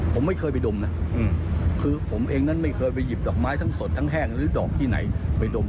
ผมไม่เคยไปดมนะคือผมเองนั้นไม่เคยไปหยิบดอกไม้ทั้งสดทั้งแห้งหรือดอกที่ไหนไปดม